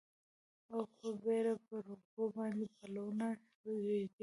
او په بیړه پر اوبو باندې پلونه ږدي